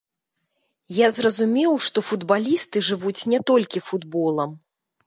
Я зразумеў, што футбалісты жывуць не толькі футболам.